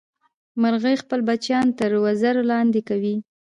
مورغۍ خپل بچیان تر وزر لاندې کوي